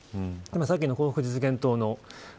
さっきの幸福実現